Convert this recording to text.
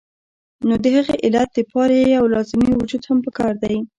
نو د هغې علت د پاره يو لازمي وجود هم پکار دے